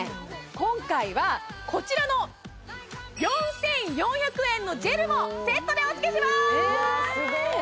今回はこちらの４４００円のジェルもセットでおつけします！